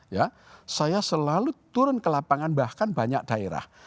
ya saya selalu turun ke lapangan bahkan banyak daerah